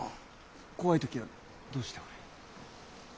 怖い時はどうしておる？